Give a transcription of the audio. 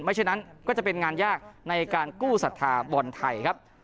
ไม่ใช่นั้นก็จะเป็นงานยากในการกู้ศรัทธาบรรทัยครับ